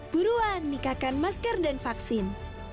buruan nikahkan masker dan vaksin